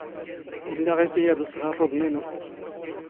ⵉⵍⵍⴰ ⵖⵉⴼⵉ ⴰⴷ ⵍⵙⵖ ⴰⵕⵕⵓⴹⵏ ⵉⵏⵓ.